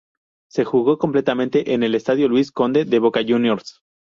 Se jugó completamente en el Estadio Luis Conde, de Boca Juniors.